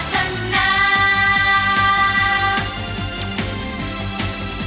ท่านท่านน้ำ